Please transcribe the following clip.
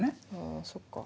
あぁそっか。